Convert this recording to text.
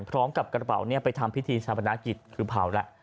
พร้อมกับกระเป๋าไปทำพิธีชาปนากิจคือเผาแล้ว